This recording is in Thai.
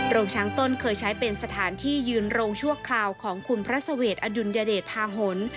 โรงช้างต้นเคยใช้เป็นสถานที่ยืนโรงชั่วคราวของคุณพระเสวทอดุลยเดชภาหน